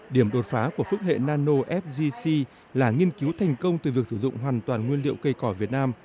điểm đột phá của phước hệ nano fgc là nghiên cứu thành công từ việc sử dụng hoàn toàn nguyên liệu cây cỏ việt nam